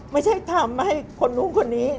ไม่ใช่ทำให้คนนู้นคนนี้